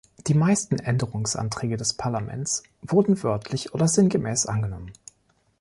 Die meisten Änderungsanträge des Parlaments wurden wörtlich oder sinngemäß angenommen.